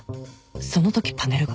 そのときパネルが？